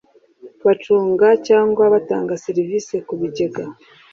bacunga cyangwa batanga serivisi ku bigega